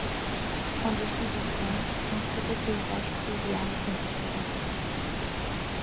En dessous du pont, un très beau paysage fluvial est représenté.